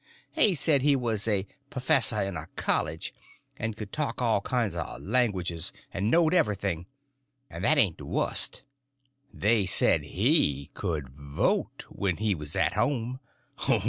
They said he was a p'fessor in a college, and could talk all kinds of languages, and knowed everything. And that ain't the wust. They said he could vote when he was at home.